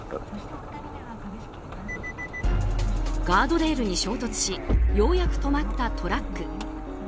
ガードレールに衝突しようやく止まったトラック。